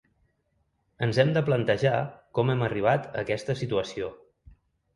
Ens hem de plantejar com hem arribat a aquesta situació.